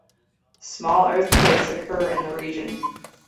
Small earthquakes occur in the region.